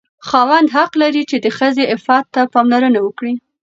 خاوند حق لري چې د ښځې عفت ته پاملرنه وکړي.